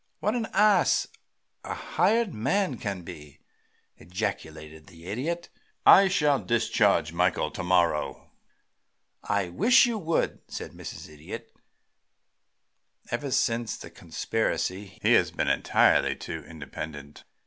"What an ass a hired man can be!" ejaculated the Idiot. "I shall discharge Michael to morrow." "I wish you would," said Mrs. Idiot. "Ever since the conspiracy he has been entirely too independent."